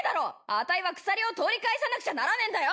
あたいは鎖を取り返さなくちゃならねえんだよ！